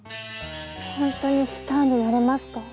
・ホントにスターになれますか？